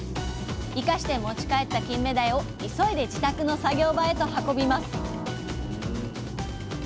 生かして持ち帰ったキンメダイを急いで自宅の作業場へと運びます